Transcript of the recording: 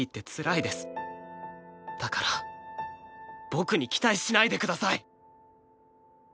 だから僕に期待しないでください。